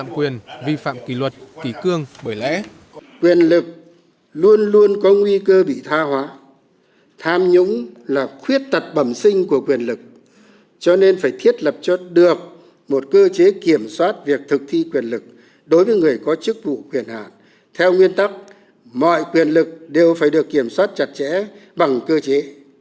quyền lực luôn luôn có nguy cơ bị tha hóa tham nhũng là khuyết tật bẩm sinh của quyền lực cho nên phải thiết lập cho được một cơ chế kiểm soát việc thực thi quyền lực đối với người có chức vụ quyền hạn theo nguyên tắc mọi quyền lực đều phải được kiểm soát chặt chẽ bằng cơ chế